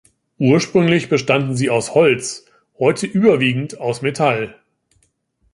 Ursprünglich bestanden sie aus Holz, heute überwiegend aus Metall.